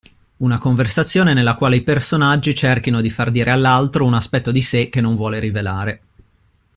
Una conversazione nella quale i personaggi cerchino di far dire all'altro un aspetto di sé che non vuole rivelare.